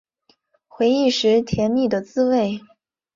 回忆时甜蜜的滋味